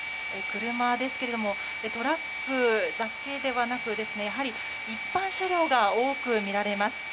車ですが、トラックだけではなくやはり一般車両が多く見られます。